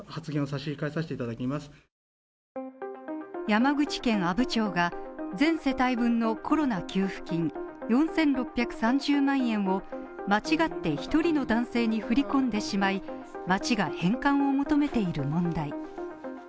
山口県阿武町が全世帯分のコロナ給付金４６３０万円を間違って１人の男性に振り込んでしまい町が返還を求めている問題。